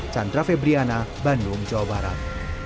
chandra febriana bandung jawa barat